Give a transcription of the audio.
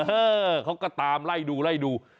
เออเค้าก็ตามไล่ดู